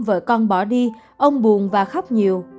vợ con bỏ đi ông buồn và khóc nhiều